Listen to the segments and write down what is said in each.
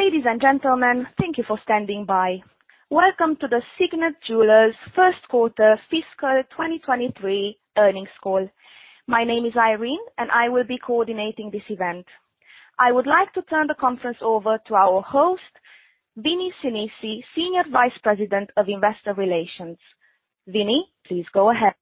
Ladies and gentlemen, thank you for standing by. Welcome to the Signet Jewelers first quarter fiscal 2023 earnings call. My name is Irene, and I will be coordinating this event. I would like to turn the conference over to our host, Vinnie Sinisi, Senior Vice President of Investor Relations. Vinnie please go ahead.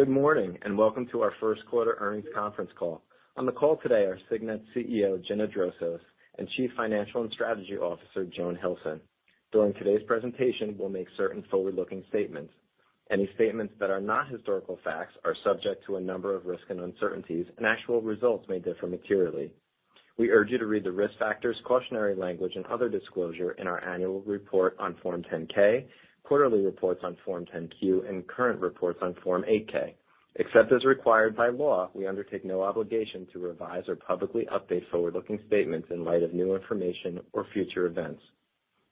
Good morning, and welcome to our first quarter earnings conference call. On the call today are Signet CEO, Gina Drosos, and Chief Financial and Strategy Officer, Joan Hilson. During today's presentation, we'll make certain forward-looking statements. Any statements that are not historical facts are subject to a number of risks and uncertainties, and actual results may differ materially. We urge you to read the risk factors, cautionary language, and other disclosure in our annual report on Form 10-K, quarterly reports on Form 10-Q, and current reports on Form 8-K. Except as required by law, we undertake no obligation to revise or publicly update forward-looking statements in light of new information or future events.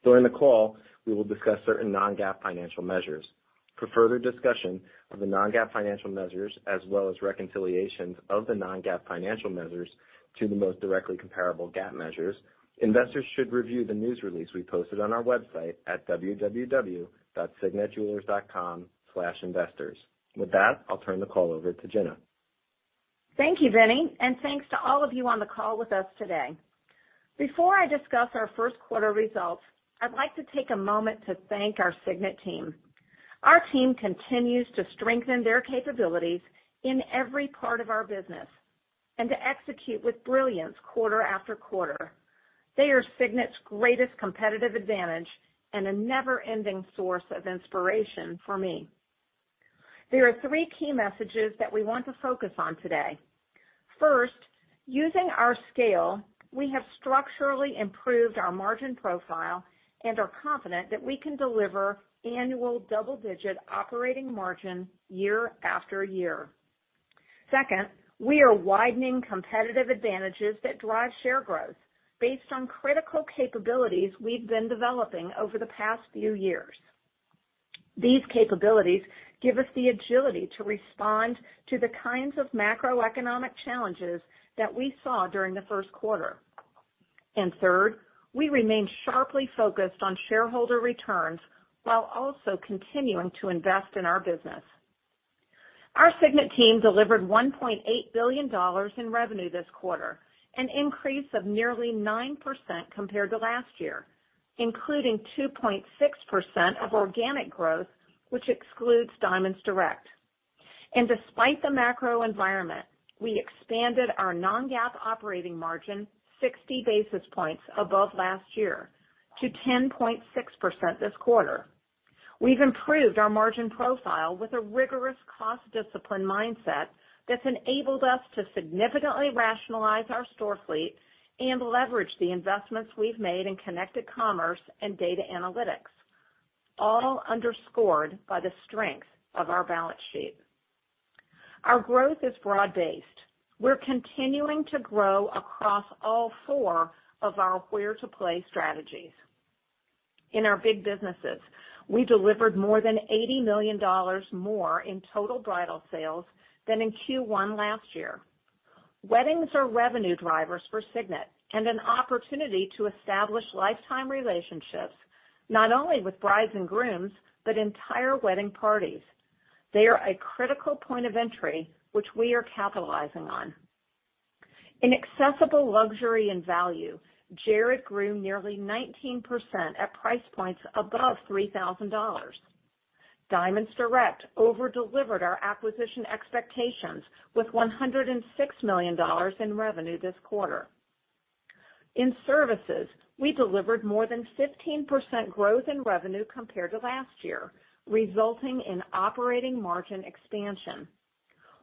During the call, we will discuss certain non-GAAP financial measures. For further discussion of the non-GAAP financial measures, as well as reconciliations of the non-GAAP financial measures to the most directly comparable GAAP measures, investors should review the news release we posted on our website at www.signetjewelers.com/investors. With that, I'll turn the call over to Gina Drosos. Thank you, Vinnie, and thanks to all of you on the call with us today. Before I discuss our first quarter results, I'd like to take a moment to thank our Signet team. Our team continues to strengthen their capabilities in every part of our business and to execute with brilliance quarter after quarter. They are Signet's greatest competitive advantage and a never-ending source of inspiration for me. There are three key messages that we want to focus on today. First, using our scale, we have structurally improved our margin profile and are confident that we can deliver annual double-digit operating margin year after year. Second, we are widening competitive advantages that drive share growth based on critical capabilities we've been developing over the past few years. These capabilities give us the agility to respond to the kinds of macroeconomic challenges that we saw during the first quarter. Third, we remain sharply focused on shareholder returns while also continuing to invest in our business. Our Signet team delivered $1.8 billion in revenue this quarter, an increase of nearly 9% compared to last year, including 2.6% of organic growth, which excludes Diamonds Direct. Despite the macro environment, we expanded our non-GAAP operating margin 60 basis points above last year to 10.6% this quarter. We've improved our margin profile with a rigorous cost discipline mindset that's enabled us to significantly rationalize our store fleet and leverage the investments we've made in connected commerce and data analytics, all underscored by the strength of our balance sheet. Our growth is broad-based. We're continuing to grow across all four of our where to play strategies. In our big businesses, we delivered more than $80 million more in total bridal sales than in Q1 last year. Weddings are revenue drivers for Signet and an opportunity to establish lifetime relationships not only with brides and grooms, but entire wedding parties. They are a critical point of entry which we are capitalizing on. In accessible luxury and value, Jared grew nearly 19% at price points above $3,000. Diamonds Direct over-delivered our acquisition expectations with $106 million in revenue this quarter. In services, we delivered more than 15% growth in revenue compared to last year, resulting in operating margin expansion.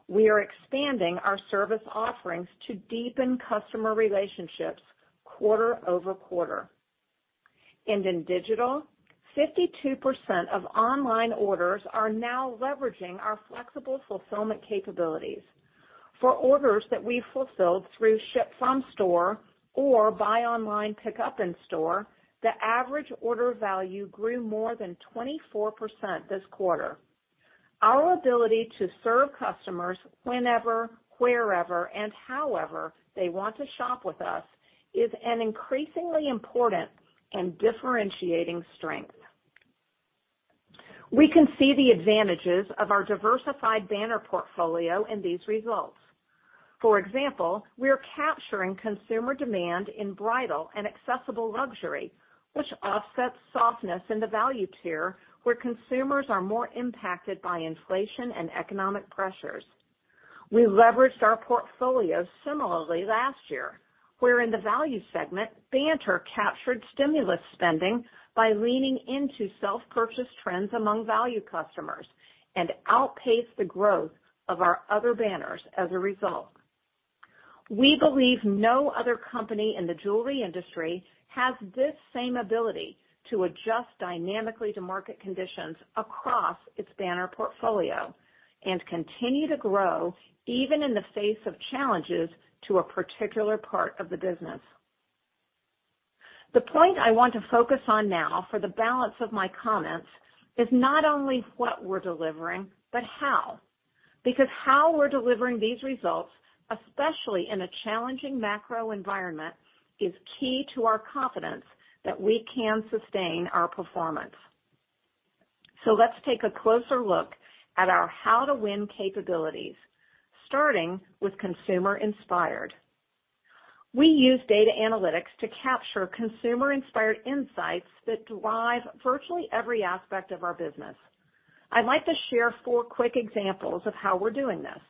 We are expanding our service offerings to deepen customer relationships quarter over quarter. In digital, 52% of online orders are now leveraging our flexible fulfillment capabilities. For orders that we fulfilled through ship from store or buy online, pick up in store, the average order value grew more than 24% this quarter. Our ability to serve customers whenever, wherever, and however they want to shop with us, is an increasingly important and differentiating strength. We can see the advantages of our diversified banner portfolio in these results. For example, we are capturing consumer demand in bridal and accessible luxury, which offsets softness in the value tier where consumers are more impacted by inflation and economic pressures. We leveraged our portfolio similarly last year, where in the value segment, Banter captured stimulus spending by leaning into self-purchase trends among value customers and outpaced the growth of our other banners as a result. We believe no other company in the jewelry industry has this same ability to adjust dynamically to market conditions across its banner portfolio and continue to grow even in the face of challenges to a particular part of the business. The point I want to focus on now for the balance of my comments is not only what we're delivering, but how. Because how we're delivering these results, especially in a challenging macro environment, is key to our confidence that we can sustain our performance. Let's take a closer look at our how to win capabilities, starting with consumer-inspired. We use data analytics to capture consumer-inspired insights that drive virtually every aspect of our business. I'd like to share four quick examples of how we're doing this.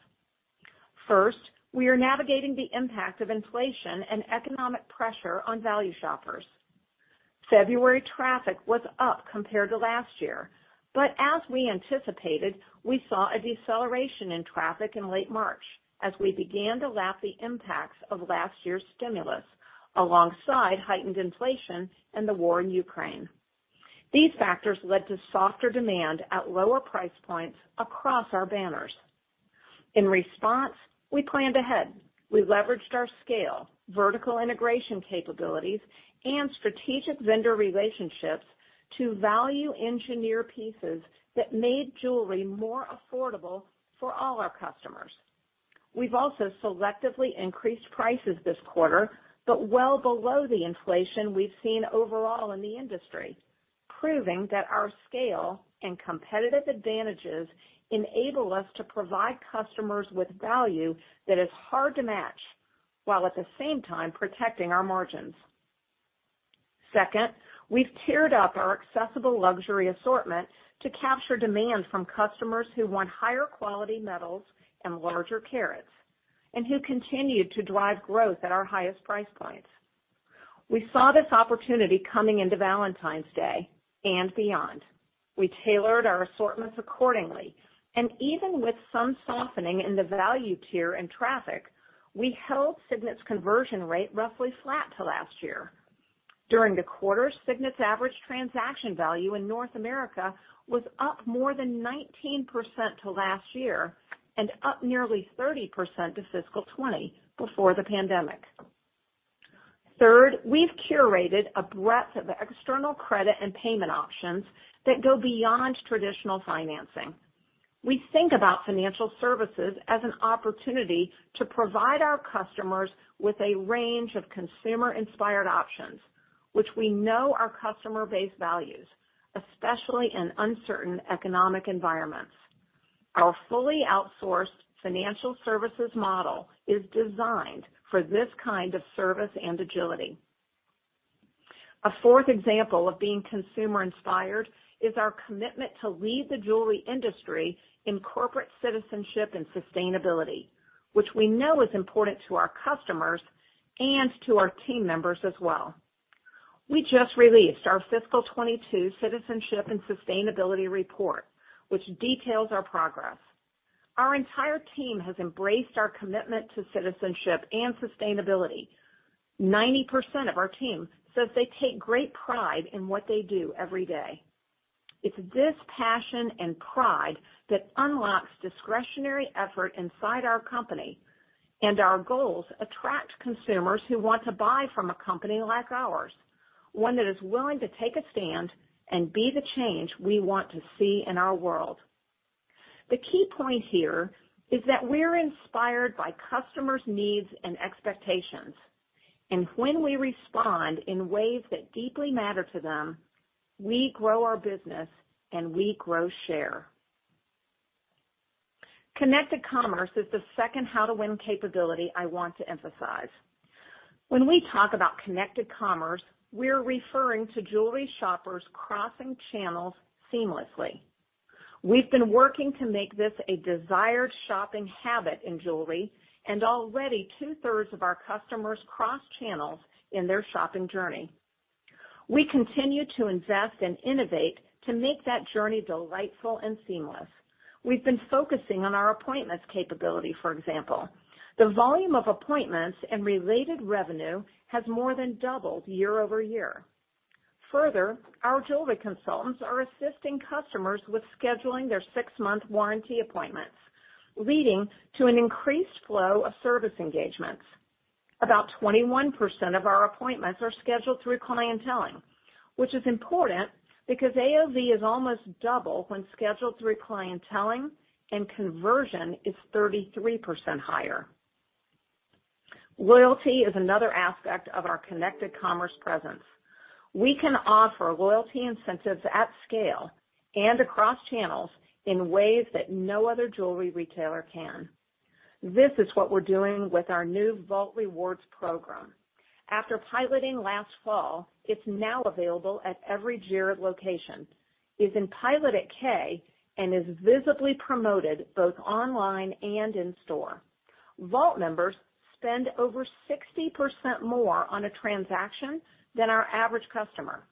First, we are navigating the impact of inflation and economic pressure on value shoppers. February traffic was up compared to last year. as we anticipated, we saw a deceleration in traffic in late March as we began to lap the impacts of last year's stimulus alongside heightened inflation and the war in Ukraine. These factors led to softer demand at lower price points across our banners. In response, we planned ahead. We leveraged our scale, vertical integration capabilities, and strategic vendor relationships to value engineer pieces that made jewelry more affordable for all our customers. We've also selectively increased prices this quarter, but well below the inflation we've seen overall in the industry, proving that our scale and competitive advantages enable us to provide customers with value that is hard to match, while at the same time protecting our margins. Second, we've tiered up our accessible luxury assortment to capture demand from customers who want higher quality metals and larger carats, and who continue to drive growth at our highest price points. We saw this opportunity coming into Valentine's Day and beyond. We tailored our assortments accordingly, and even with some softening in the value tier and traffic, we held Signet's conversion rate roughly flat to last year. During the quarter, Signet's average transaction value in North America was up more than 19% to last year and up nearly 30% to fiscal 2020 before the pandemic. Third, we've curated a breadth of external credit and payment options that go beyond traditional financing. We think about financial services as an opportunity to provide our customers with a range of consumer-inspired options, which we know our customer base values, especially in uncertain economic environments. Our fully outsourced financial services model is designed for this kind of service and agility. A fourth example of being consumer-inspired is our commitment to lead the jewelry industry in corporate citizenship and sustainability, which we know is important to our customers and to our team members as well. We just released our fiscal 2022 citizenship and sustainability report, which details our progress. Our entire team has embraced our commitment to citizenship and sustainability. 90% of our team says they take great pride in what they do every day. It's this passion and pride that unlocks discretionary effort inside our company, and our goals attract consumers who want to buy from a company like ours, one that is willing to take a stand and be the change we want to see in our world. The key point here is that we're inspired by customers' needs and expectations, and when we respond in ways that deeply matter to them, we grow our business and we grow share. Connected commerce is the second how to win capability I want to emphasize. When we talk about connected commerce, we're referring to jewelry shoppers crossing channels seamlessly. We've been working to make this a desired shopping habit in jewelry, and already two-thirds of our customers cross channels in their shopping journey. We continue to invest and innovate to make that journey delightful and seamless. We've been focusing on our appointments capability, for example. The volume of appointments and related revenue has more than doubled year-over-year. Further, our jewelry consultants are assisting customers with scheduling their six-month warranty appointments, leading to an increased flow of service engagements. About 21% of our appointments are scheduled through clienteling, which is important because AOV is almost double when scheduled through clienteling and conversion is 33% higher. Loyalty is another aspect of our connected commerce presence. We can offer loyalty incentives at scale and across channels in ways that no other jewelry retailer can. This is what we're doing with our new Vault Rewards program. After piloting last fall, it's now available at every Jared location, is in pilot at Kay, and is visibly promoted both online and in store. Vault members spend over 60% more on a transaction than our average customer,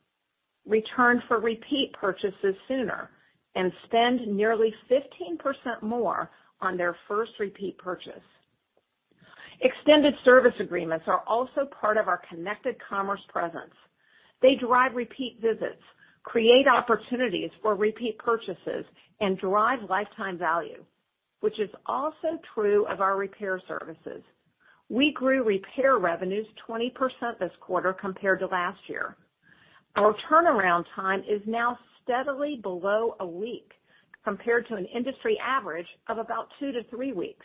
return for repeat purchases sooner, and spend nearly 15% more on their first repeat purchase. Extended service agreements are also part of our connected commerce presence. They drive repeat visits, create opportunities for repeat purchases, and drive lifetime value. Which is also true of our repair services. We grew repair revenues 20% this quarter compared to last year. Our turnaround time is now steadily below a week compared to an industry average of about two to three weeks.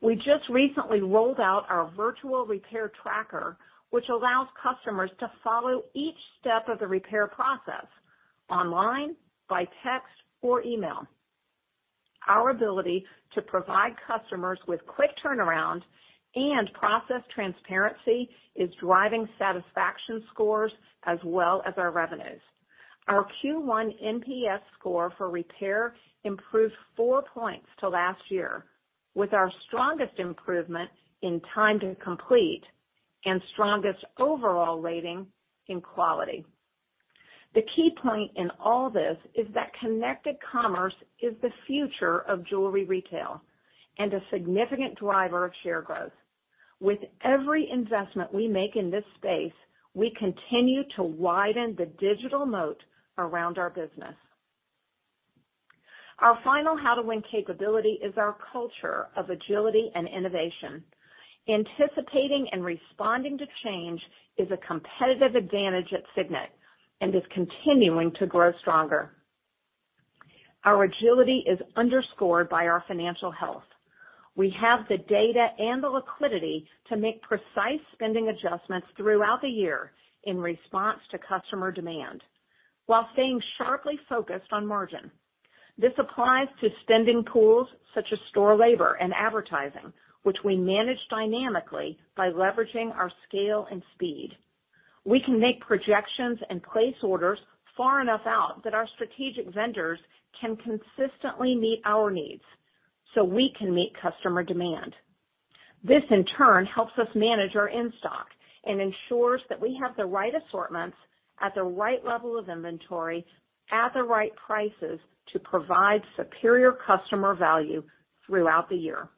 We just recently rolled out our virtual repair tracker, which allows customers to follow each step of the repair process online, by text or email. Our ability to provide customers with quick turnaround and process transparency is driving satisfaction scores as well as our revenues. Our Q1 NPS score for repair improved four points to last year, with our strongest improvement in time to complete and strongest overall rating in quality. The key point in all this is that connected commerce is the future of jewelry retail and a significant driver of share growth. With every investment we make in this space, we continue to widen the digital moat around our business. Our final how to win capability is our culture of agility and innovation. Anticipating and responding to change is a competitive advantage at Signet and is continuing to grow stronger. Our agility is underscored by our financial health. We have the data and the liquidity to make precise spending adjustments throughout the year in response to customer demand while staying sharply focused on margin. This applies to spending pools such as store labor and advertising, which we manage dynamically by leveraging our scale and speed. We can make projections and place orders far enough out that our strategic vendors can consistently meet our needs so we can meet customer demand. This, in turn, helps us manage our in-stock and ensures that we have the right assortments at the right level of inventory at the right prices to provide superior customer value throughout the year.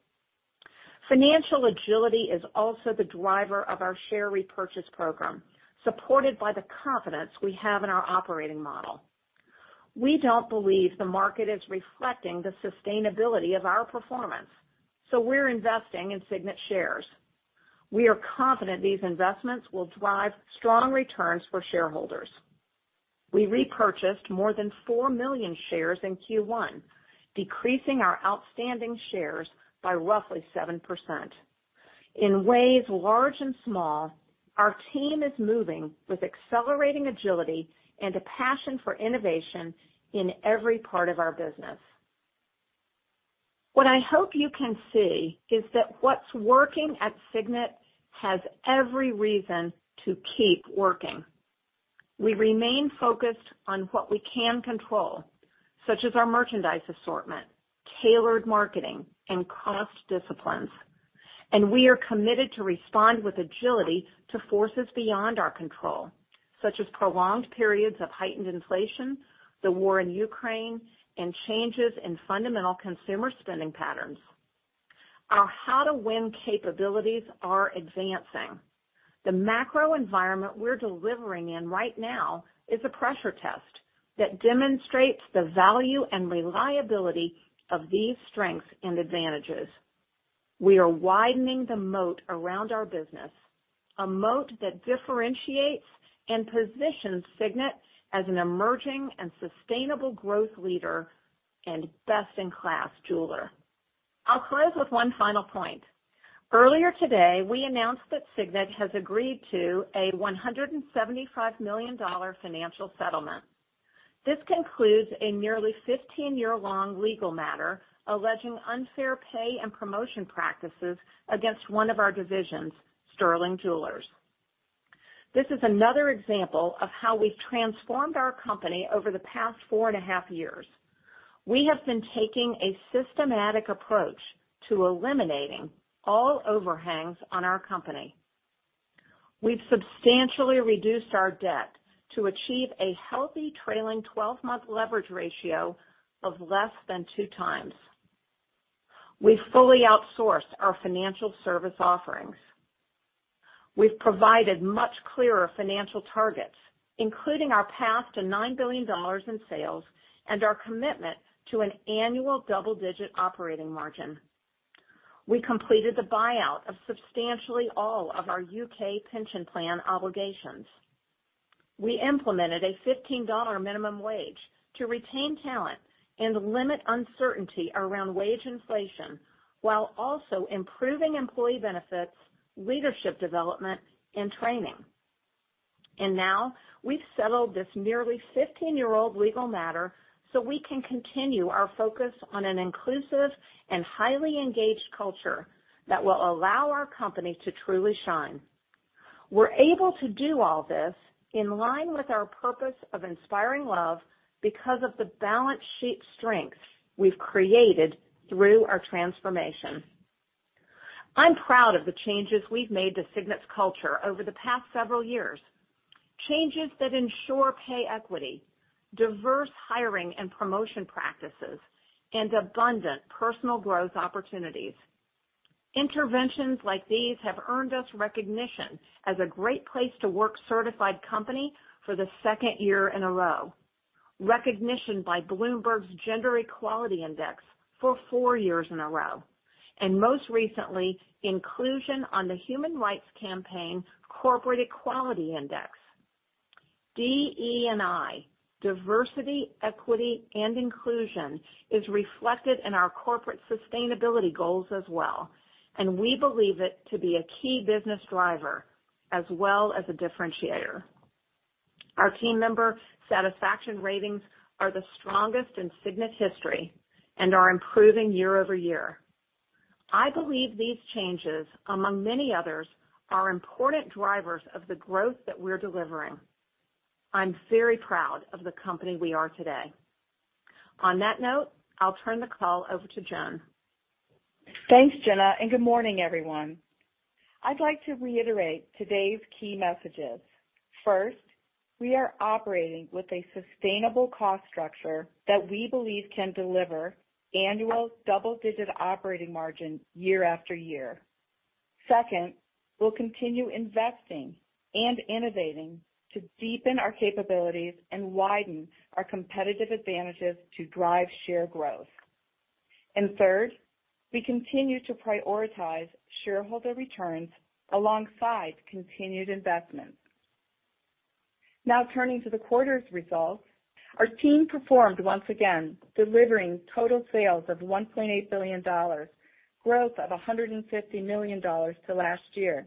Financial agility is also the driver of our share repurchase program, supported by the confidence we have in our operating model. We don't believe the market is reflecting the sustainability of our performance, so we're investing in Signet shares. We are confident these investments will drive strong returns for shareholders. We repurchased more than four million shares in Q1, decreasing our outstanding shares by roughly 7%. In ways large and small, our team is moving with accelerating agility and a passion for innovation in every part of our business. What I hope you can see is that what's working at Signet has every reason to keep working. We remain focused on what we can control, such as our merchandise assortment, tailored marketing, and cost disciplines. We are committed to respond with agility to forces beyond our control, such as prolonged periods of heightened inflation, the war in Ukraine, and changes in fundamental consumer spending patterns. Our how to win capabilities are advancing. The macro environment we're delivering in right now is a pressure test that demonstrates the value and reliability of these strengths and advantages. We are widening the moat around our business, a moat that differentiates and positions Signet as an emerging and sustainable growth leader and best-in-class jeweler. I'll close with one final point. Earlier today, we announced that Signet has agreed to a $175 million financial settlement. This concludes a nearly 15-year-long legal matter alleging unfair pay and promotion practices against one of our divisions, Sterling Jewelers. This is another example of how we've transformed our company over the past four and a half years. We have been taking a systematic approach to eliminating all overhangs on our company. We've substantially reduced our debt to achieve a healthy trailing 12-month leverage ratio of less than two times. We've fully outsourced our financial service offerings. We've provided much clearer financial targets, including our path to $9 billion in sales and our commitment to an annual double-digit operating margin. We completed the buyout of substantially all of our U.K pension plan obligations. We implemented a $15 minimum wage to retain talent and limit uncertainty around wage inflation while also improving employee benefits, leadership development and training. Now we've settled this nearly 15-year-old legal matter so we can continue our focus on an inclusive and highly engaged culture that will allow our company to truly shine. We're able to do all this in line with our purpose of inspiring love because of the balance sheet strength we've created through our transformation. I'm proud of the changes we've made to Signet's culture over the past several years. Changes that ensure pay equity, diverse hiring and promotion practices, and abundant personal growth opportunities. Interventions like these have earned us recognition as a great place to work certified company for the second year in a row. Recognition by Bloomberg Gender-Equality Index for four years in a row, and most recently, inclusion on the Human Rights Campaign Corporate Equality Index. DE&I, diversity, equity, and inclusion is reflected in our corporate sustainability goals as well, and we believe it to be a key business driver as well as a differentiator. Our team member satisfaction ratings are the strongest in Signet history and are improving year-over-year. I believe these changes, among many others, are important drivers of the growth that we're delivering. I'm very proud of the company we are today. On that note, I'll turn the call over to Joan. Thanks, Gina, and good morning, everyone. I'd like to reiterate today's key messages. First, we are operating with a sustainable cost structure that we believe can deliver annual double-digit operating margin year after year. Second, we'll continue investing and innovating to deepen our capabilities and widen our competitive advantages to drive share growth. Third, we continue to prioritize shareholder returns alongside continued investments. Now turning to the quarter's results. Our team performed once again, delivering total sales of $1.8 billion, growth of $150 million to last year.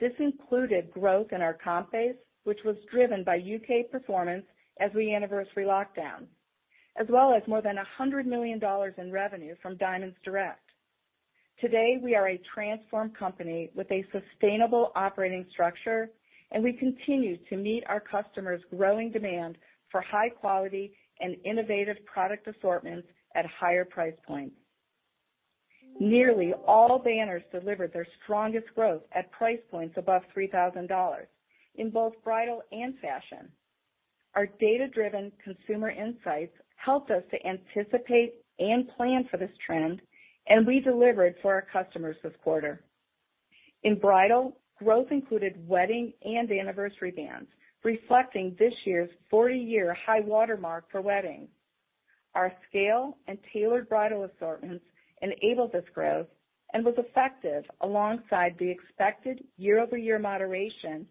This included growth in our comp base, which was driven by U.K performance as we anniversary lockdown, as well as more than $100 million in revenue from Diamonds Direct. Today, we are a transformed company with a sustainable operating structure, and we continue to meet our customers' growing demand for high quality and innovative product assortments at higher price points. Nearly all banners delivered their strongest growth at price points above $3,000 in both bridal and fashion. Our data-driven consumer insights helped us to anticipate and plan for this trend, and we delivered for our customers this quarter. In bridal, growth included wedding and anniversary bands, reflecting this year's 40-year high watermark for weddings. Our scale and tailored bridal assortments enabled this growth and was effective alongside the expected year-over-year moderation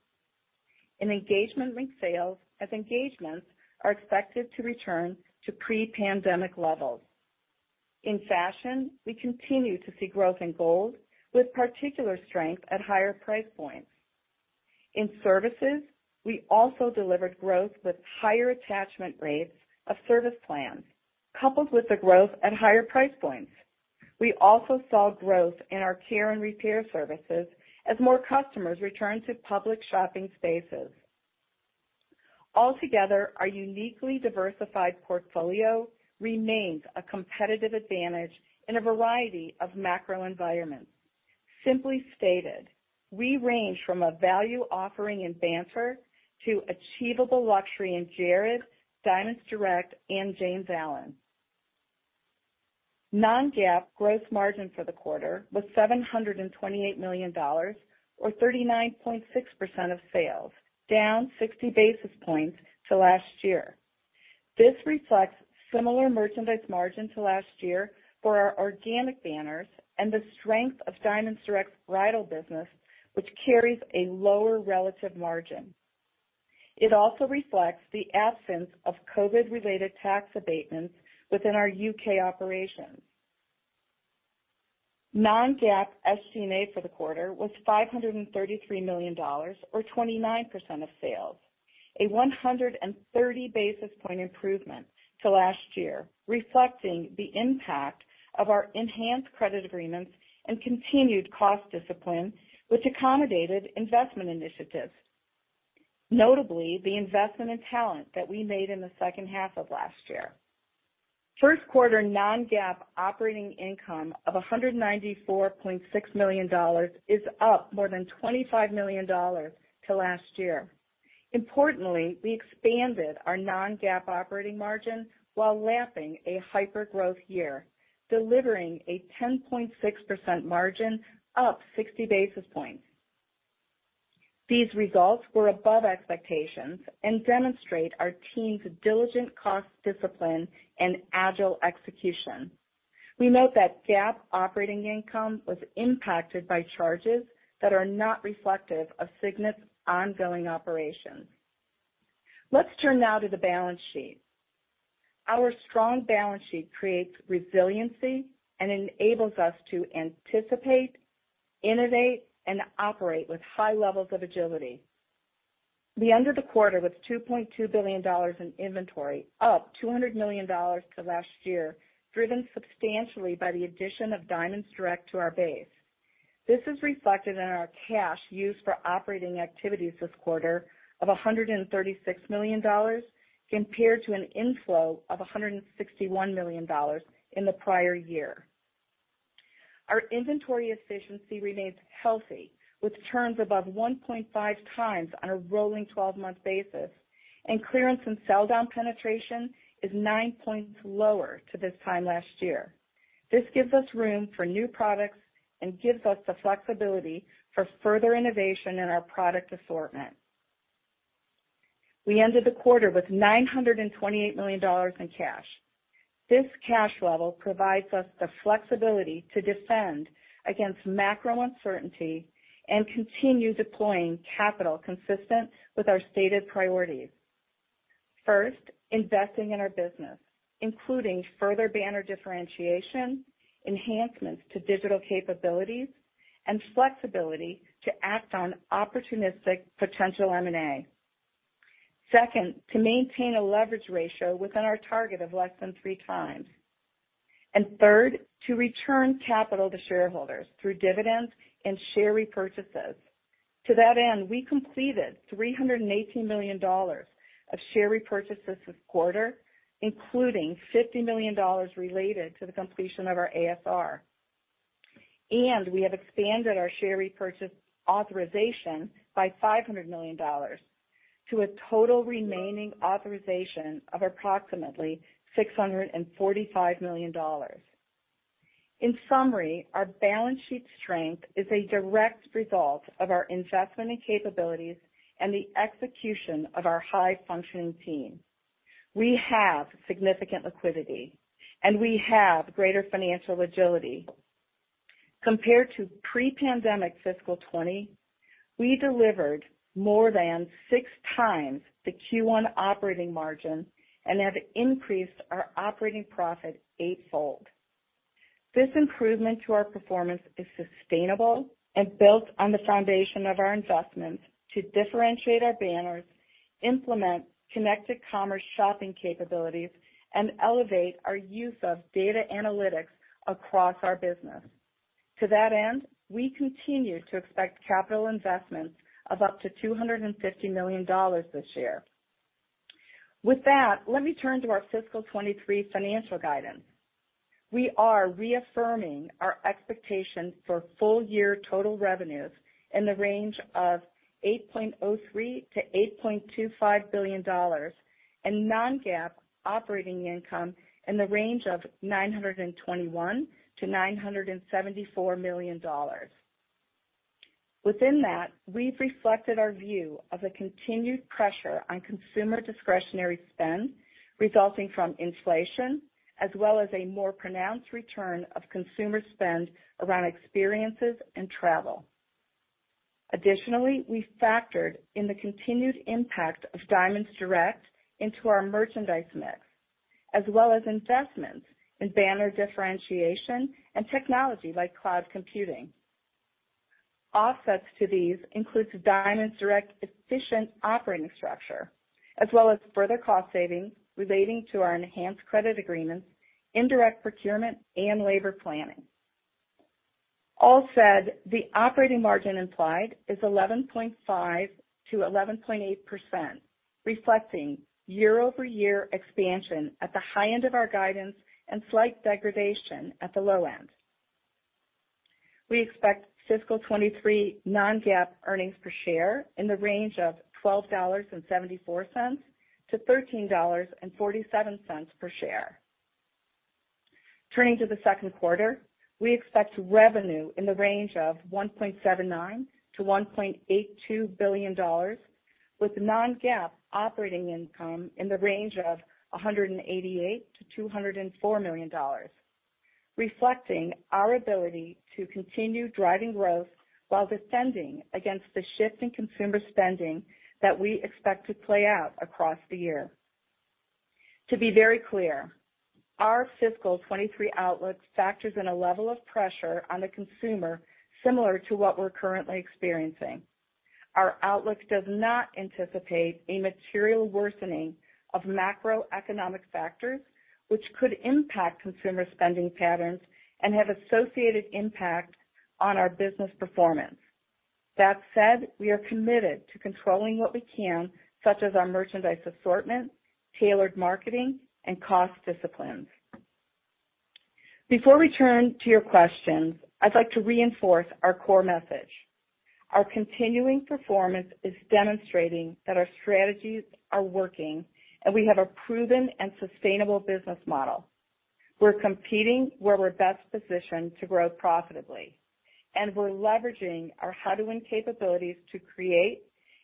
in engagement ring sales, as engagements are expected to return to pre-pandemic levels. In fashion, we continue to see growth in gold with particular strength at higher price points. In services, we also delivered growth with higher attachment rates of service plans, coupled with the growth at higher price points. We also saw growth in our care and repair services as more customers return to public shopping spaces. Altogether, our uniquely diversified portfolio remains a competitive advantage in a variety of macro environments. Simply stated, we range from a value offering in Banter to achievable luxury in Jared, Diamonds Direct, and James Allen. Non-GAAP gross margin for the quarter was $728 million or 39.6% of sales, down 60 basis points to last year. This reflects similar merchandise margin to last year for our organic banners and the strength of Diamonds Direct's bridal business, which carries a lower relative margin. It also reflects the absence of COVID-related tax abatements within our U.K operations. Non-GAAP SG&A for the quarter was $533 million or 29% of sales, a 130 basis point improvement to last year, reflecting the impact of our enhanced credit agreements and continued cost discipline, which accommodated investment initiatives, notably the investment in talent that we made in the second half of last year. First quarter non-GAAP operating income of $194.6 million is up more than $25 million to last year. Importantly, we expanded our non-GAAP operating margin while lapping a hyper-growth year, delivering a 10.6% margin, up 60 basis points. These results were above expectations and demonstrate our team's diligent cost discipline and agile execution. We note that GAAP operating income was impacted by charges that are not reflective of Signet's ongoing operations. Let's turn now to the balance sheet. Our strong balance sheet creates resiliency and enables us to anticipate, innovate, and operate with high levels of agility. We ended the quarter with $2.2 billion in inventory, up $200 million to last year, driven substantially by the addition of Diamonds Direct to our base. This is reflected in our cash used for operating activities this quarter of $136 million compared to an inflow of $161 million in the prior year. Our inventory efficiency remains healthy, with turns above 1.5 times on a rolling twelve-month basis. Clearance and sell down penetration is nine points lower to this time last year. This gives us room for new products and gives us the flexibility for further innovation in our product assortment. We ended the quarter with $928 million in cash. This cash level provides us the flexibility to defend against macro uncertainty and continue deploying capital consistent with our stated priorities. First, investing in our business, including further banner differentiation, enhancements to digital capabilities, and flexibility to act on opportunistic potential M&A. Second, to maintain a leverage ratio within our target of less than three times. Third, to return capital to shareholders through dividends and share repurchases. To that end, we completed $318 million of share repurchases this quarter, including $50 million related to the completion of our ASR. We have expanded our share repurchase authorization by $500 million to a total remaining authorization of approximately $645 million. In summary, our balance sheet strength is a direct result of our investment and capabilities and the execution of our high functioning team. We have significant liquidity, and we have greater financial agility. Compared to pre-pandemic fiscal 2020, we delivered more than six times the Q1 operating margin and have increased our operating profit eight fold. This improvement to our performance is sustainable and built on the foundation of our investments to differentiate our banners, implement connected commerce shopping capabilities, and elevate our use of data analytics across our business. To that end, we continue to expect capital investments of up to $250 million this year. With that, let me turn to our fiscal 2023 financial guidance. We are reaffirming our expectations for full year total revenues in the range of $8.03 billion-$8.25 billion and non-GAAP operating income in the range of $921 million-$974 million. Within that, we've reflected our view of a continued pressure on consumer discretionary spend resulting from inflation, as well as a more pronounced return of consumer spend around experiences and travel. Additionally, we factored in the continued impact of Diamonds Direct into our merchandise mix, as well as investments in banner differentiation and technology like cloud computing. Offsets to these includes Diamonds Direct efficient operating structure, as well as further cost savings relating to our enhanced credit agreements, indirect procurement, and labor planning. All said, the operating margin implied is 11.5%-11.8%, reflecting year-over-year expansion at the high end of our guidance and slight degradation at the low end. We expect fiscal 2023 non-GAAP earnings per share in the range of $12.74-$13.47 per share. Turning to the second quarter, we expect revenue in the range of $1.79 billion-$1.82 billion, with non-GAAP operating income in the range of $188 million-$204 million, reflecting our ability to continue driving growth while defending against the shift in consumer spending that we expect to play out across the year. To be very clear, our fiscal 2023 outlook factors in a level of pressure on the consumer similar to what we're currently experiencing. Our outlook does not anticipate a material worsening of macroeconomic factors, which could impact consumer spending patterns and have associated impact on our business performance. That said, we are committed to controlling what we can, such as our merchandise assortment, tailored marketing, and cost disciplines. Before we turn to your questions, I'd like to reinforce our core message. Our continuing performance is demonstrating that our strategies are working, and we have a proven and sustainable business model. We're competing where we're best positioned to grow profitably, and we're leveraging our how to win capabilities to create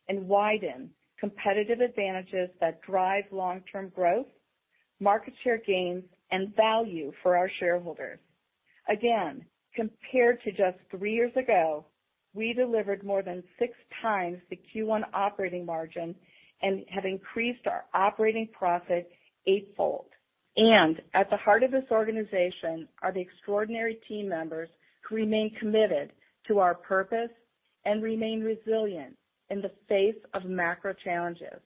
and widen competitive advantages that drive long-term growth, market share gains, and value for our shareholders. Again, compared to just three years ago, we delivered more than six times the Q1 operating margin and have increased our operating profit eight fold. At the heart of this organization are the extraordinary team members who remain committed to our purpose and remain resilient in the face of macro challenges.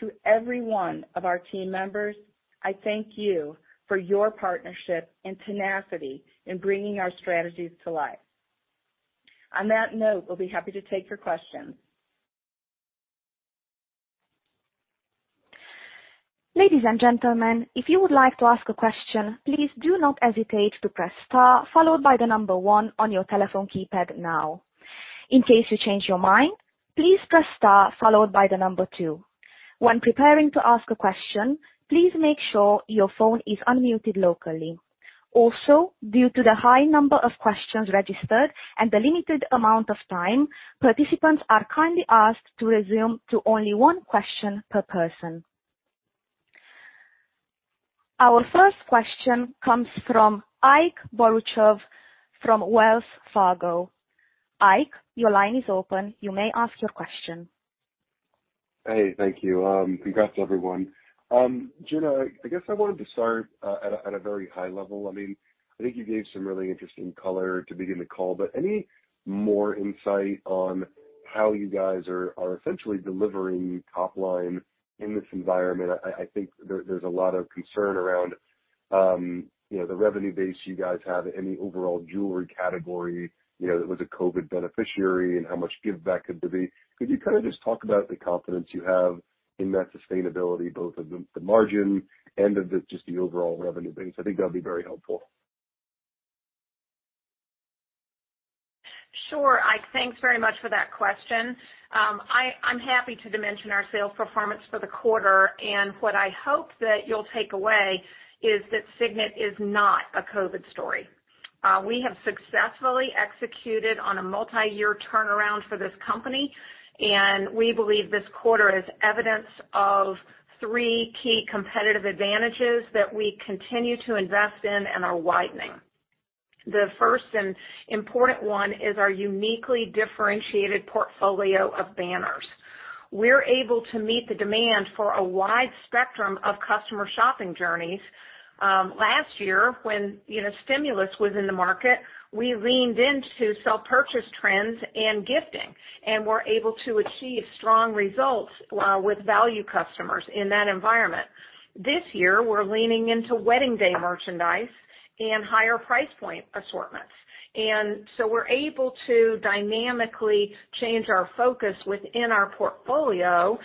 To every one of our team members, I thank you for your partnership and tenacity in bringing our strategies to life. On that note, we'll be happy to take your questions. Ladies and gentlemen, if you would like to ask a question, please do not hesitate to press star followed by the number one on your telephone keypad now. In case you change your mind, please press star followed by the number two. When preparing to ask a question, please make sure your phone is unmuted locally. Also, due to the high number of questions registered and the limited amount of time, participants are kindly asked to limit to only one question per person. Our first question comes from Ike Boruchow from Wells Fargo. Ike, your line is open, you may ask your question. Hey, thank you. Congrats, everyone. Gina, I guess I wanted to start at a very high level. I mean, I think you gave some really interesting color to begin the call, but any more insight on how you guys are essentially delivering top line in this environment? I think there's a lot of concern around, you know, the revenue base you guys have in the overall jewelry category, you know, that was a COVID beneficiary and how much give back could there be. Could you kinda just talk about the confidence you have in that sustainability, both of the margin and of just the overall revenue base? I think that'd be very helpful. Sure. Ike, thanks very much for that question. I'm happy to dimension our sales performance for the quarter, and what I hope that you'll take away is that Signet is not a COVID story. We have successfully executed on a multiyear turnaround for this company, and we believe this quarter is evidence of three key competitive advantages that we continue to invest in and are widening. The first and important one is our uniquely differentiated portfolio of banners. We're able to meet the demand for a wide spectrum of customer shopping journeys. Last year when, you know, stimulus was in the market, we leaned into self-purchase trends and gifting, and we're able to achieve strong results with value customers in that environment. This year, we're leaning into wedding day merchandise and higher price point assortments. We're able to dynamically change our focus within our portfolio,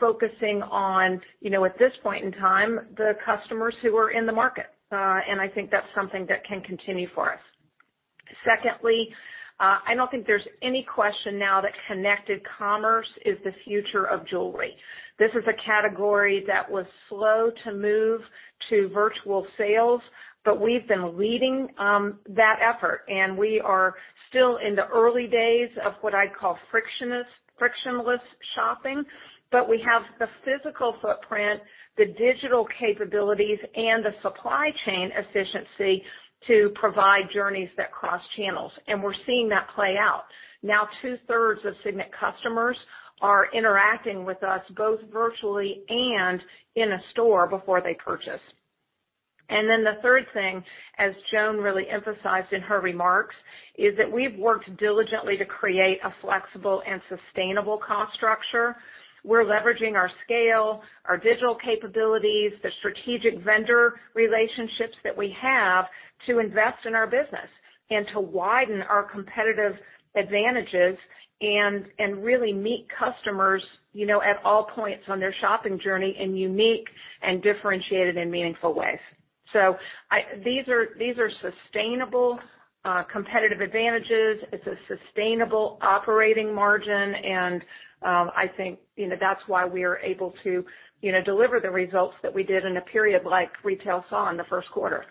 focusing on, you know, at this point in time, the customers who are in the market. I think that's something that can continue for us. Secondly, I don't think there's any question now that connected commerce is the future of jewelry. This is a category that was slow to move to virtual sales, but we've been leading that effort, and we are still in the early days of what I'd call frictionless shopping. We have the physical footprint, the digital capabilities, and the supply chain efficiency to provide journeys that cross channels, and we're seeing that play out. Now, two-thirds of Signet customers are interacting with us both virtually and in a store before they purchase. Then the third thing, as Joan really emphasized in her remarks, is that we've worked diligently to create a flexible and sustainable cost structure. We're leveraging our scale, our digital capabilities, the strategic vendor relationships that we have to invest in our business and to widen our competitive advantages and really meet customers, you know, at all points on their shopping journey in unique and differentiated and meaningful ways. These are sustainable competitive advantages. It's a sustainable operating margin, and I think, you know, that's why we are able to, you know, deliver the results that we did in a period like retail saw in the first quarter.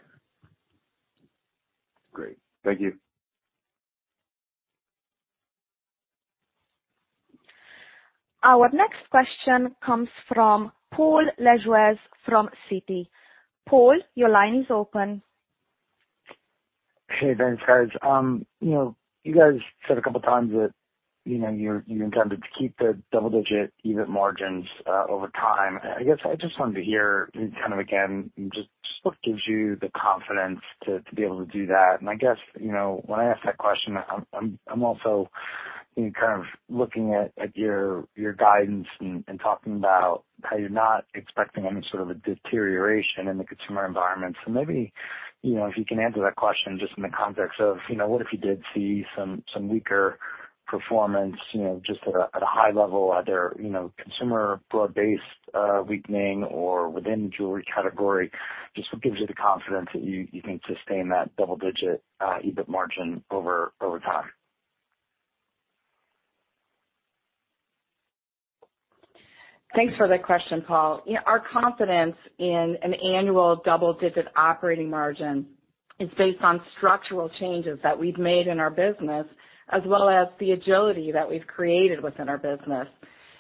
Great. Thank you. Our next question comes from Paul Lejuez from Citi. Paul your line is open. Hey, thanks, guys. You know, you guys said a couple times that, you know, you're, you intended to keep the double digit EBIT margins over time. I guess I just wanted to hear kind of, again, just what gives you the confidence to be able to do that. I guess, you know, when I ask that question, I'm also, you know, kind of looking at your guidance and talking about how you're not expecting any sort of a deterioration in the consumer environment. Maybe, you know, if you can answer that question just in the context of, you know, what if you did see some weaker performance, you know, just at a high level, either, you know, consumer broad-based weakening or within jewelry category, just what gives you the confidence that you can sustain that double digit EBIT margin over time? Thanks for the question, Paul. You know, our confidence in an annual double-digit operating margin is based on structural changes that we've made in our business as well as the agility that we've created within our business.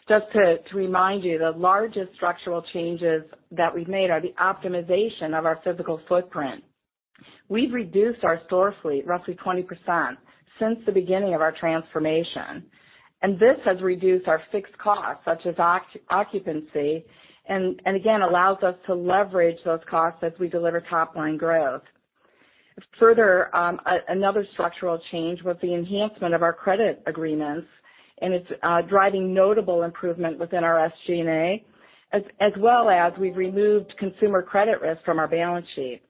Just to remind you, the largest structural changes that we've made are the optimization of our physical footprint. We've reduced our store fleet roughly 20% since the beginning of our transformation, and this has reduced our fixed costs, such as occupancy, and again, allows us to leverage those costs as we deliver top line growth. Further, another structural change was the enhancement of our credit agreements, and it's driving notable improvement within our SG&A, as well as we've removed consumer credit risk from our balance sheet.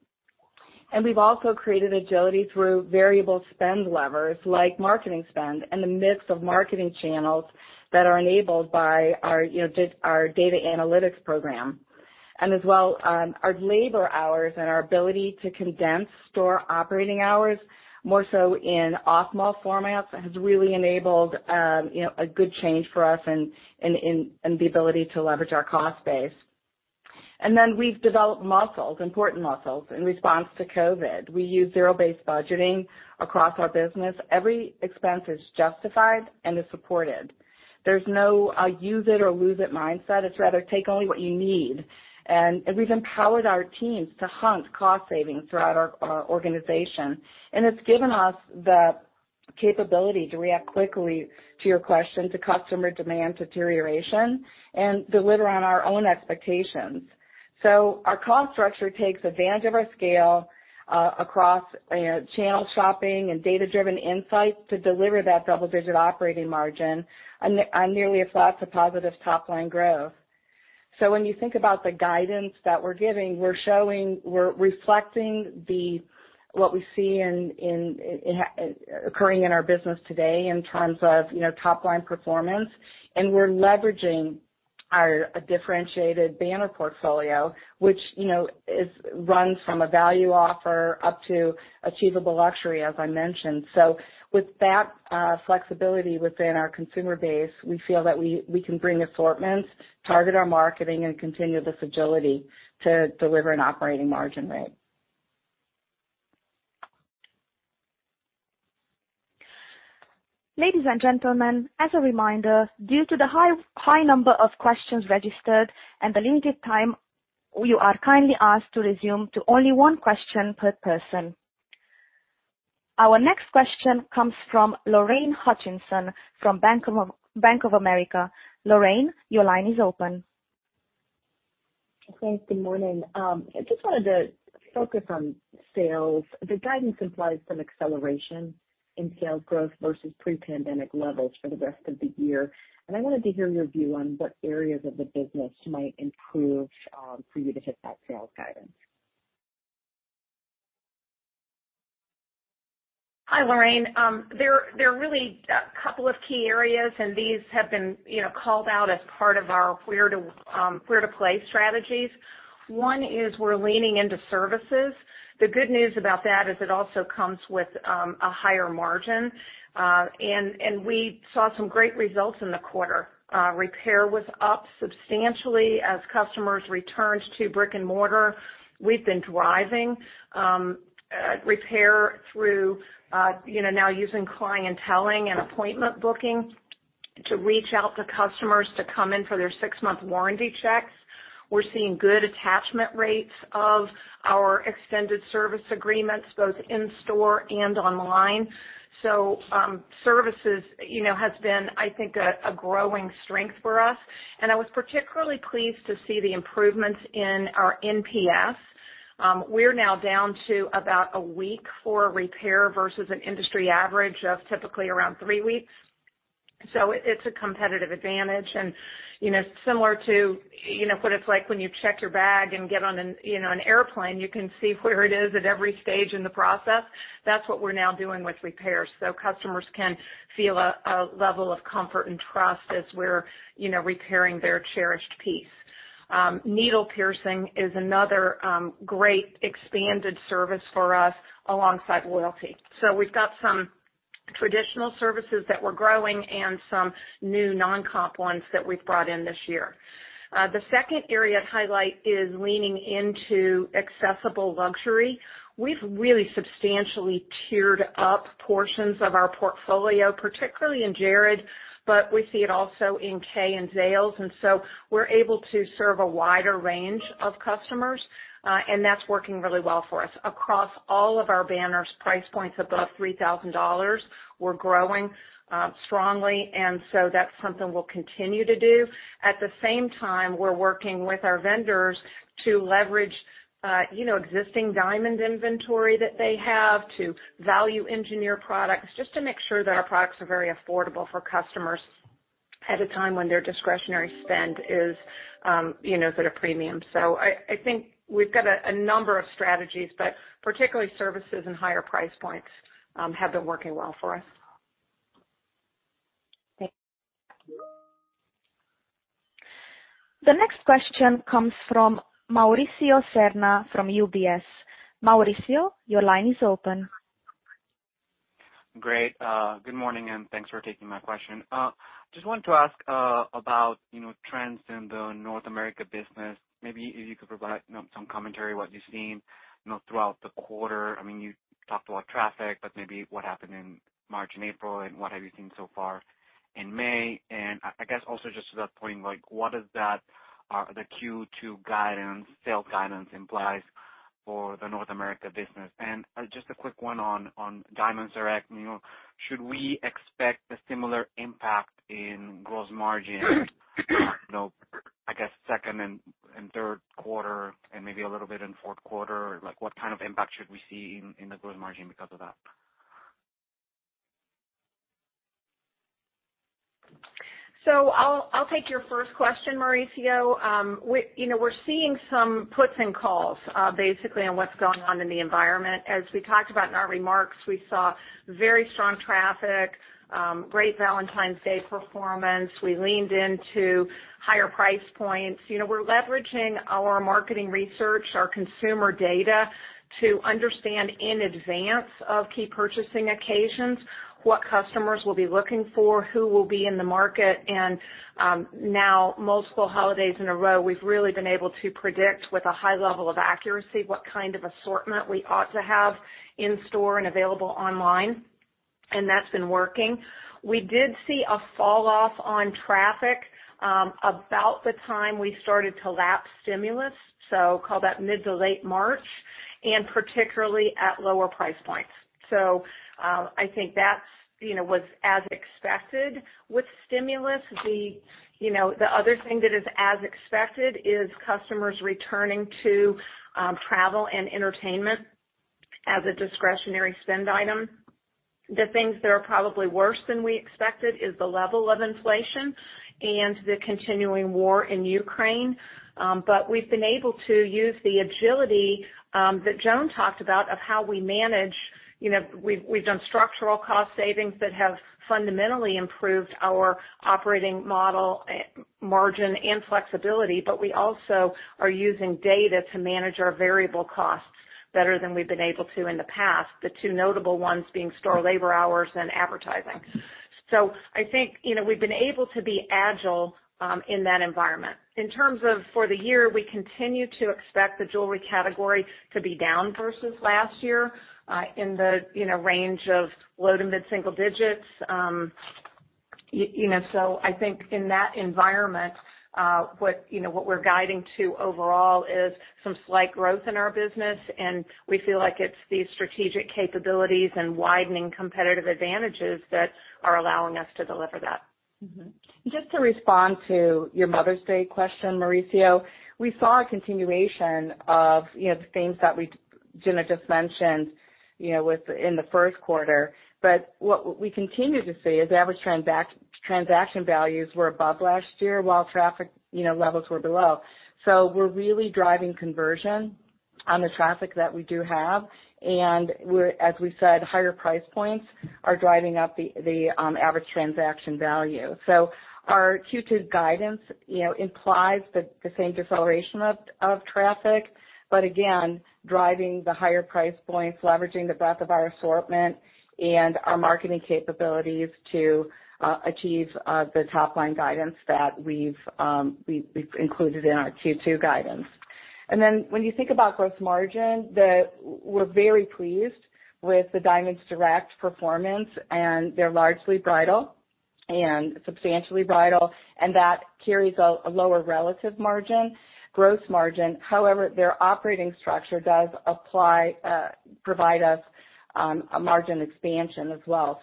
We've also created agility through variable spend levers like marketing spend in the mix of marketing channels that are enabled by our, you know, just our data analytics program. Our labor hours and our ability to condense store operating hours more so in off-mall formats has really enabled a good change for us, and the ability to leverage our cost base. We've developed muscles, important muscles in response to COVID. We use zero-based budgeting across our business. Every expense is justified and is supported. There's no use it or lose it mindset. It's rather take only what you need. We've empowered our teams to hunt cost savings throughout our organization. It's given us the capability to react quickly, to your question, to customer demand deterioration and deliver on our own expectations. Our cost structure takes advantage of our scale across, you know, omnichannel shopping and data-driven insights to deliver that double-digit operating margin on nearly a flat to positive top line growth. When you think about the guidance that we're giving, we're reflecting what we see in occurring in our business today in terms of, you know, top line performance. We're leveraging our differentiated banner portfolio, which, you know, is run from a value offer up to achievable luxury, as I mentioned. With that flexibility within our consumer base, we feel that we can bring assortments, target our marketing, and continue this agility to deliver an operating margin rate. Ladies and gentlemen, as a reminder, due to the high number of questions registered and the limited time, you are kindly asked to limit to only one question per person. Our next question comes from Lorraine Hutchinson from Bank of America. Lorraine your line is open. Thanks. Good morning. I just wanted to focus on sales. The guidance implies some acceleration in sales growth versus pre-pandemic levels for the rest of the year. I wanted to hear your view on what areas of the business might improve, for you to hit that sales guidance. Hi, Lorraine. There are really a couple of key areas, and these have been, you know, called out as part of our where to play strategies. One is we're leaning into services. The good news about that is it also comes with a higher margin. We saw some great results in the quarter. Repair was up substantially as customers returned to brick-and-mortar. We've been driving repair through, you know, now using clienteling and appointment booking to reach out to customers to come in for their six-month warranty checks. We're seeing good attachment rates of our extended service agreements, both in store and online. Services, you know, has been, I think, a growing strength for us. I was particularly pleased to see the improvements in our NPS. We're now down to about a week for repair versus an industry average of typically around three weeks. It's a competitive advantage. You know, similar to, you know, what it's like when you check your bag and get on an airplane, you can see where it is at every stage in the process. That's what we're now doing with repairs. Customers can feel a level of comfort and trust as we're, you know, repairing their cherished piece. Needle piercing is another great expanded service for us alongside loyalty. We've got some traditional services that we're growing and some new non-comp ones that we've brought in this year. The second area to highlight is leaning into accessible luxury. We've really substantially tiered up portions of our portfolio, particularly in Jared, but we see it also in Kay and Zales. We're able to serve a wider range of customers, and that's working really well for us. Across all of our banners, price points above $3,000 were growing strongly, and that's something we'll continue to do. At the same time, we're working with our vendors to leverage you know existing diamond inventory that they have to value engineer products, just to make sure that our products are very affordable for customers at a time when their discretionary spend is you know at a premium. I think we've got a number of strategies, but particularly services and higher price points have been working well for us. Thank you. The next question comes from Mauricio Serna from UBS. Mauricio, your line is open. Great. Good morning, and thanks for taking my question. Just wanted to ask about, you know, trends in the North America business. Maybe if you could provide, you know, some commentary, what you've seen, you know, throughout the quarter. I mean, you talked about traffic, but maybe what happened in March and April, and what have you seen so far in May. I guess also just to that point, like what does that, the Q2 guidance, sales guidance implies for the North America business. Just a quick one on Diamonds Direct. You know, should we expect a similar impact in gross margin, you know, I guess second and third quarter and maybe a little bit in fourth quarter? Like, what kind of impact should we see in the gross margin because of that? I'll take your first question, Mauricio. You know, we're seeing some puts and calls, basically on what's going on in the environment. As we talked about in our remarks, we saw very strong traffic, great Valentine's Day performance. We leaned into higher price points. You know, we're leveraging our marketing research, our consumer data to understand in advance of key purchasing occasions what customers will be looking for, who will be in the market. Now multiple holidays in a row, we've really been able to predict with a high level of accuracy what kind of assortment we ought to have in store and available online, and that's been working. We did see a fall off on traffic, about the time we started to lap stimulus, so call that mid to late March, and particularly at lower price points. I think that was as expected with stimulus. The, you know, the other thing that is as expected is customers returning to travel and entertainment as a discretionary spend item. The things that are probably worse than we expected is the level of inflation and the continuing war in Ukraine. We've been able to use the agility that Joan talked about of how we manage. You know, we've done structural cost savings that have fundamentally improved our operating model, margin and flexibility, but we also are using data to manage our variable costs better than we've been able to in the past, the two notable ones being store labor hours and advertising. I think, you know, we've been able to be agile in that environment. In terms of for the year, we continue to expect the jewelry category to be down versus last year, in the you know range of low- to mid-single digits. You know, I think in that environment, what you know what we're guiding to overall is some slight growth in our business, and we feel like it's these strategic capabilities and widening competitive advantages that are allowing us to deliver that. Mm-hmm. Just to respond to your Mother's Day question, Mauricio, we saw a continuation of the things that we Gina just mentioned with in the first quarter. What we continue to see is average transaction values were above last year while traffic levels were below. We're really driving conversion on the traffic that we do have. As we said, higher price points are driving up the average transaction value. Our Q2 guidance implies the same deceleration of traffic, but again, driving the higher price points, leveraging the breadth of our assortment and our marketing capabilities to achieve the top-line guidance that we've included in our Q2 guidance. Then when you think about gross margin, the We're very pleased with the Diamonds Direct performance, and they're largely bridal and substantially bridal, and that carries a lower relative margin, gross margin. However, their operating structure does provide us a margin expansion as well.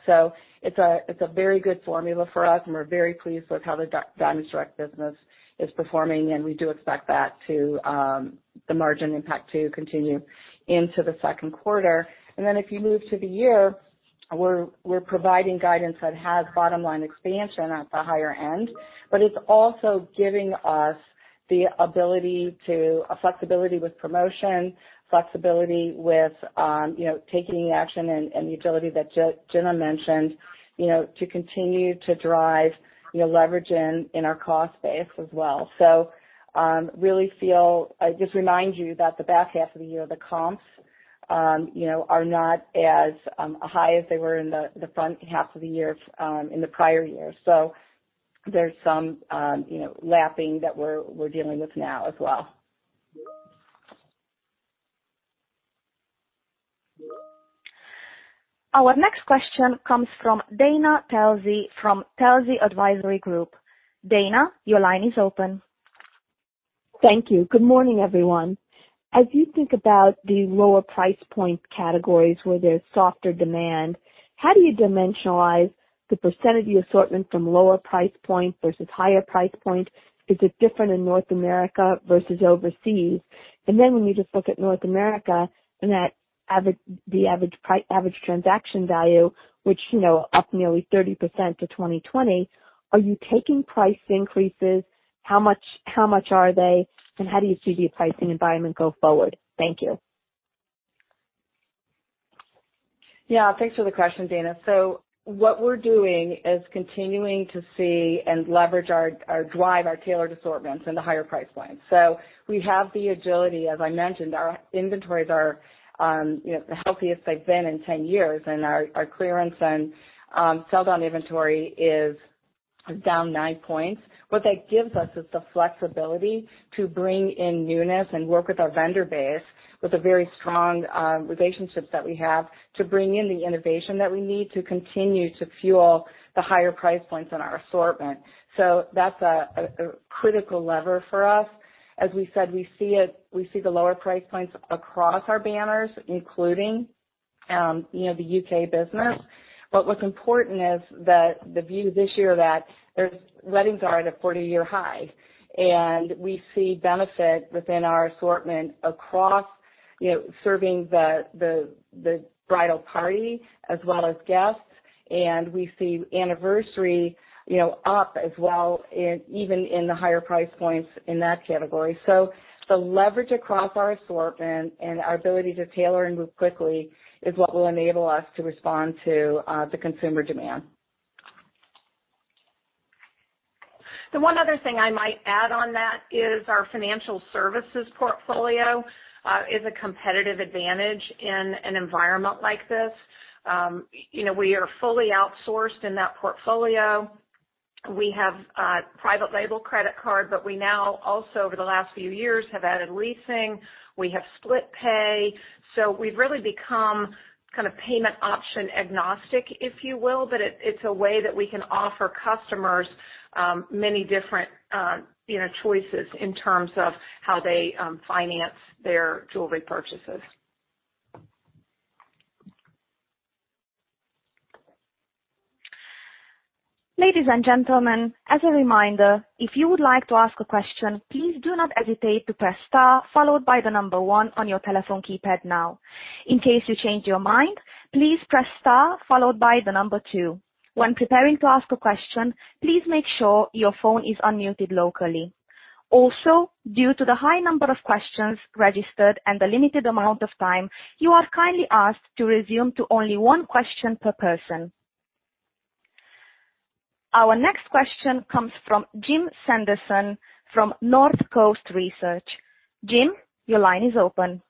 It's a very good formula for us, and we're very pleased with how the Diamonds Direct business is performing, and we do expect that the margin impact to continue into the second quarter. If you move to the year, we're providing guidance that has bottom line expansion at the higher end, but it's also giving us the ability, flexibility with promotion, flexibility with you know taking action, and the agility that Gina mentioned, you know, to continue to drive, you know, leverage in our cost base as well. Just remind you that the back half of the year, the comps, you know, are not as high as they were in the front half of the year, in the prior year. There's some, you know, lapping that we're dealing with now as well. Our next question comes from Dana Telsey from Telsey Advisory Group. Dana, your line is open. Thank you. Good morning, everyone. As you think about the lower price point categories where there's softer demand, how do you dimensionalize the percentage of the assortment from lower price point versus higher price point? Is it different in North America versus overseas? When you just look at North America and that average transaction value, which, you know, up nearly 30% to 2020, are you taking price increases? How much are they, and how do you see the pricing environment go forward? Thank you. Yeah, thanks for the question, Dana. What we're doing is continuing to see and drive our tailored assortments in the higher price points. We have the agility, as I mentioned, our inventories are, you know, the healthiest they've been in 10 years, and our clearance and sell-down inventory is down nine points. What that gives us is the flexibility to bring in newness and work with our vendor base with the very strong relationships that we have to bring in the innovation that we need to continue to fuel the higher price points in our assortment. That's a critical lever for us. As we said, we see it. We see the lower price points across our banners, including, you know, the U.K business. What's important is that the view this year that weddings are at a 40-year high, and we see benefit within our assortment across. You know, serving the bridal party as well as guests, and we see anniversary, you know, up as well even in the higher price points in that category. The leverage across our assortment and our ability to tailor and move quickly is what will enable us to respond to the consumer demand. The one other thing I might add on that is our financial services portfolio is a competitive advantage in an environment like this. You know, we are fully outsourced in that portfolio. We have private label credit card, but we now also over the last few years have added leasing, we have split pay. We've really become kind of payment option agnostic, if you will, but it's a way that we can offer customers many different, you know, choices in terms of how they finance their jewelry purchases. Ladies and gentlemen, as a reminder, if you would like to ask a question, please do not hesitate to press star followed by the number one on your telephone keypad now. In case you change your mind, please press star followed by the number twoo. When preparing to ask a question, please make sure your phone is unmuted locally. Also, due to the high number of questions registered and the limited amount of time, you are kindly asked to limit to only one question per person. Our next question comes from Jim Sanderson from Northcoast Research. Jim your line is open.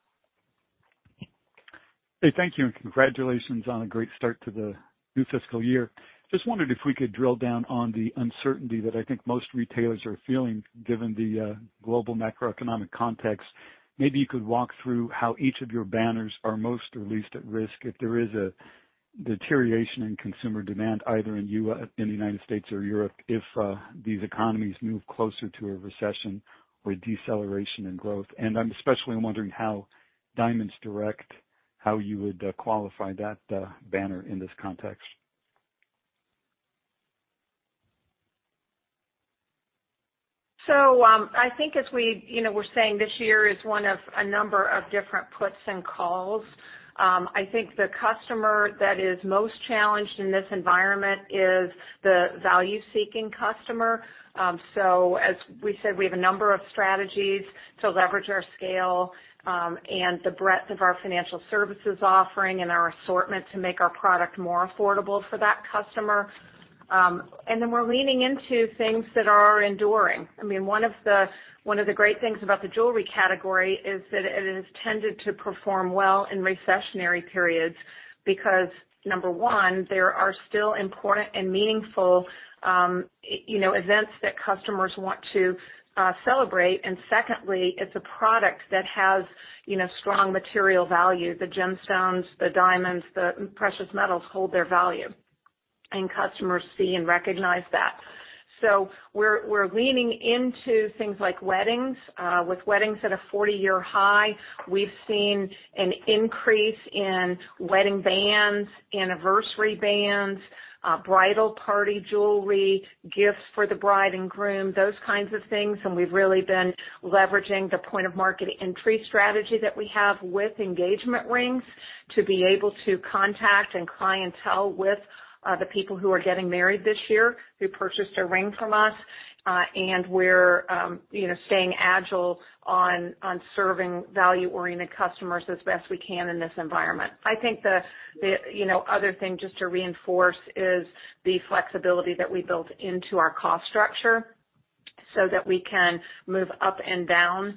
Hey, thank you, and congratulations on a great start to the new fiscal year. Just wondered if we could drill down on the uncertainty that I think most retailers are feeling given the global macroeconomic context. Maybe you could walk through how each of your banners are most or least at risk if there is a deterioration in consumer demand, either in the United States or Europe, if these economies move closer to a recession or deceleration in growth. I'm especially wondering how Diamonds Direct, how you would qualify that banner in this context. I think as we, you know, we're saying this year is one of a number of different puts and calls. I think the customer that is most challenged in this environment is the value-seeking customer. As we said, we have a number of strategies to leverage our scale, and the breadth of our financial services offering and our assortment to make our product more affordable for that customer. Then we're leaning into things that are enduring. I mean, one of the great things about the jewelry category is that it has tended to perform well in recessionary periods because, number one, there are still important and meaningful, you know, events that customers want to celebrate. Secondly, it's a product that has, you know, strong material value. The gemstones, the diamonds, the precious metals hold their value, and customers see and recognize that. We're leaning into things like weddings. With weddings at a 40-year high, we've seen an increase in wedding bands, anniversary bands, bridal party jewelry, gifts for the bride and groom, those kinds of things. We've really been leveraging the point-of-market entry strategy that we have with engagement rings to be able to contact and clienteling with the people who are getting married this year, who purchased a ring from us. You know, we're staying agile on serving value-oriented customers as best we can in this environment. I think the other thing just to reinforce is the flexibility that we built into our cost structure so that we can move up and down,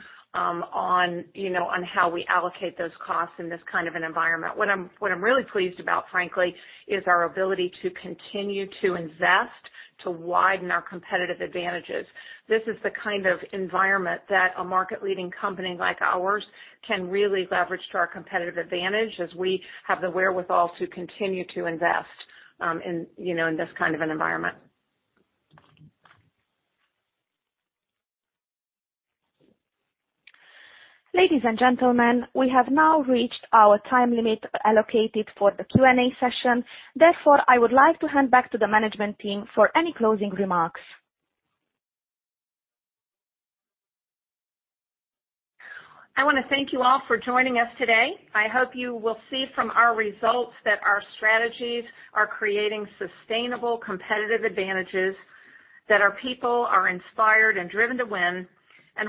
you know, on how we allocate those costs in this kind of an environment. What I'm really pleased about, frankly, is our ability to continue to invest to widen our competitive advantages. This is the kind of environment that a market-leading company like ours can really leverage to our competitive advantage as we have the wherewithal to continue to invest, you know, in this kind of an environment. Ladies and gentlemen, we have now reached our time limit allocated for the Q&A session. Therefore, I would like to hand back to the management team for any closing remarks. I wanna thank you all for joining us today. I hope you will see from our results that our strategies are creating sustainable competitive advantages, that our people are inspired and driven to win.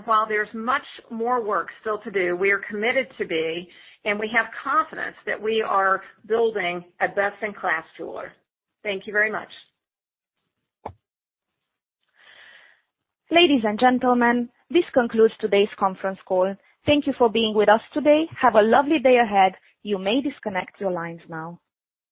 While there's much more work still to do, we are committed to be, and we have confidence that we are building a best-in-class jeweler. Thank you very much. Ladies and gentlemen, this concludes today's conference call. Thank you for being with us today. Have a lovely day ahead, you may disconnect your lines now.